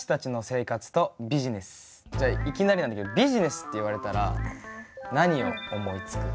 じゃあいきなりなんだけどビジネスって言われたら何を思いつく？